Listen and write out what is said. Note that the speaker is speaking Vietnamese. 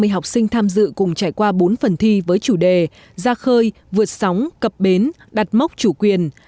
ba mươi học sinh tham dự cùng trải qua bốn phần thi với chủ đề ra khơi vượt sóng cập bến đặt mốc chủ quyền